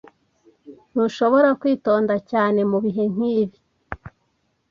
Ntushobora kwitonda cyane mubihe nkibi.